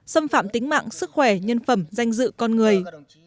xâm phạm tính mạng sức khỏe nhân phẩm danh dự con người